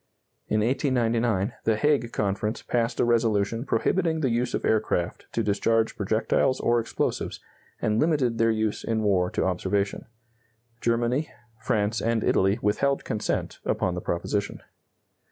In 1899 the Hague Conference passed a resolution prohibiting the use of aircraft to discharge projectiles or explosives, and limited their use in war to observation. Germany, France, and Italy withheld consent upon the proposition.